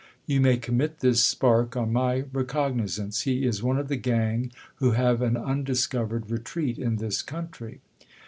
You may commit this spark on my recognizance ; he is one of the gang who have an undiscovered retreat in this country.